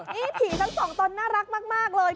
นี่ผีทั้งสองตนน่ารักมากเลย